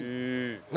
何？